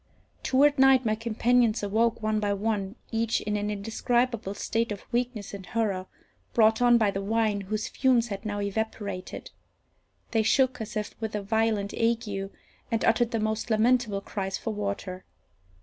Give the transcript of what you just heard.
Toward night my companions awoke, one by one, each in an indescribable state of weakness and horror, brought on by the wine, whose fumes had now evaporated. They shook as if with a violent ague, and uttered the most lamentable cries for water.